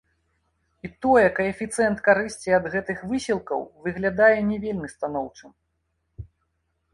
І тое каэфіцыент карысці ад гэтых высілкаў выглядае не вельмі станоўчым.